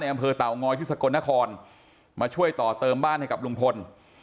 อำเภอเต่างอยที่สกลนครมาช่วยต่อเติมบ้านให้กับลุงพล